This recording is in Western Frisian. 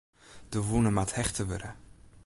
De wûne moat hechte wurde.